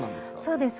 そうです。